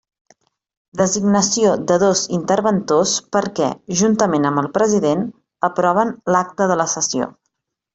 Designació de dos interventors perquè, juntament amb el president, aproven l'acta de la sessió.